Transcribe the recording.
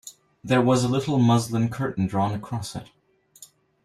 There was a little muslin curtain drawn across it.